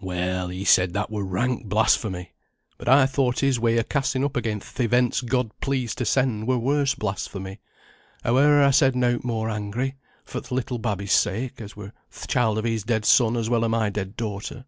"Well! he said that were rank blasphemy; but I thought his way of casting up again th' events God had pleased to send, were worse blasphemy. Howe'er, I said nought more angry, for th' little babby's sake, as were th' child o' his dead son, as well as o' my dead daughter.